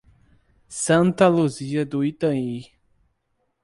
Santa Luzia do Itanhi